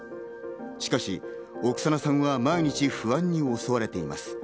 しかし、オクサナさんは毎日不安に襲われています。